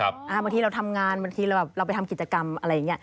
บางทีเราทำงานบางทีเราแบบเราไปทำกิจกรรมอะไรอย่างนี้